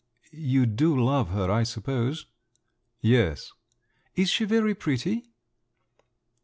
You do love her, I suppose?" "Yes." "Is she very pretty?"